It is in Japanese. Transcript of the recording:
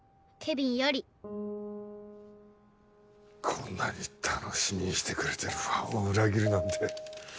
こんなに楽しみにしてくれてるファンを裏切るなんて。